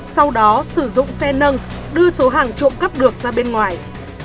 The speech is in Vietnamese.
sau đó sử dụng xe nâng đưa số hàng trộm cắp được ra bên ngoài